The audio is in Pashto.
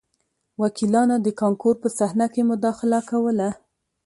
وکیلانو د کانکور په صحنه کې مداخله کوله